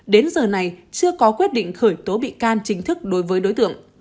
đến giờ này chưa có quyết định khởi tố bị can chính thức đối với đối tượng